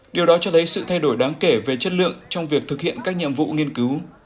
điều đó cho thấy sự thay đổi đáng kể về chất lượng trong việc thực hiện các nhiệm vụ nghiên cứu